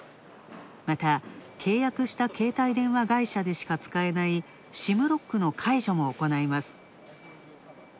また契約した携帯電話会社でしか使えないＳＩＭロックの解除も行います。